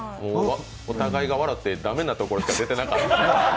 お互いが笑って駄目なところしか出てなかった。